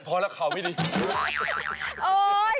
พอแล้วข่าวไม่ดี